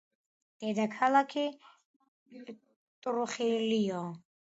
დედაქალაქია ქალაქი ტრუხილიო.